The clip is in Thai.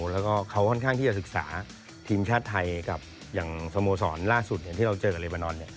แล้วก็เขาค่อนข้างที่จะศึกษาทีมชาติไทยกับอย่างสโมสรล่าสุดที่เราเจอกับเรบานอน